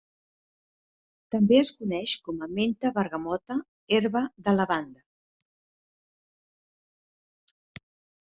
També es coneix com a menta bergamota, herba de lavanda.